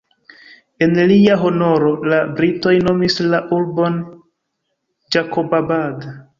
En lia honoro, la britoj nomis la urbon Ĝakobabad.